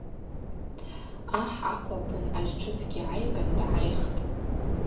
Ахӏ ахъвлапын ажьтшытгьи гӏайгын дгӏайхтӏ.